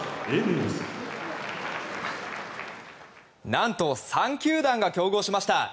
何と３球団が競合しました。